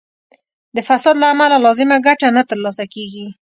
د فساد له امله لازمه ګټه نه تر لاسه کیږي.